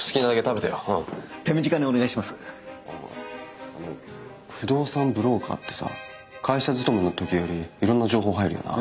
あの不動産ブローカーってさ会社勤めの時よりいろんな情報入るよな？